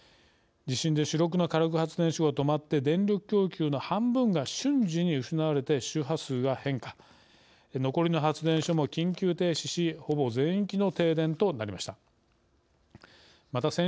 地震で主力の火力発電所が止まって電力供給の半分が瞬時に失われて周波数が変化残りの発電所も緊急停止しほぼ全域の停電となりました。